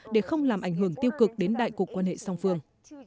để không làm ảnh hưởng tiêu cực đến đại cục quan hệ song phương